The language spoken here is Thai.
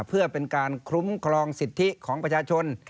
เพื่อเป็นการคุ้มครองสิทธิของประชาชน